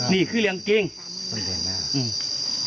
นี่คือเรียงจริงภายในปัญหาอืม